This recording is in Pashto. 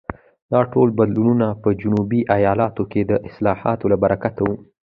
دا ټول بدلونونه په جنوبي ایالتونو کې د اصلاحاتو له برکته وو.